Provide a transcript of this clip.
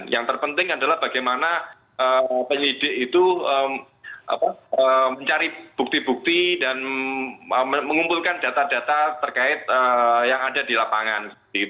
yang terpenting adalah bagaimana penyidik itu mencari bukti bukti dan mengumpulkan data data terkait yang ada di lapangan